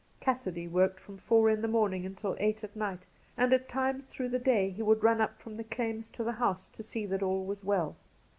Cassidy worked from four in the morning until eight, at night, and at times through the day he would run up from the claims to the house, to see that all was well.